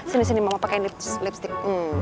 sini sini mau pakai lipstick